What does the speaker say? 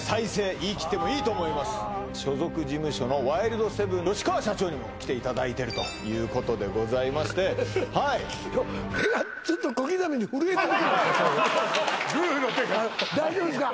言い切ってもいいと思います所属事務所のワイルドセブン社長にも来ていただいてるということでございましてグーの手が大丈夫ですか？